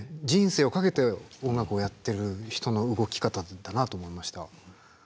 人生を懸けて音楽をやってる人の動き方だなと思いました。